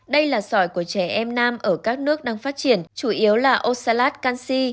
đây là sỏi của trẻ em nam ở các nước đang phát triển chủ yếu là osalat canxi